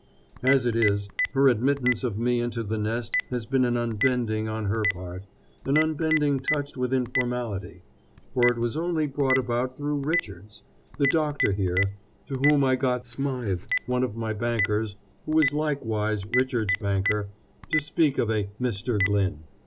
As it is, her admittance of me into the nest has been an unbending on her part, an unbending touched with informality, for it was only brought about through Richards, the doctor here, to whom I got Smythe, one of my bankers, who is likewise Richards' banker, to speak of a "Mr. Glyn."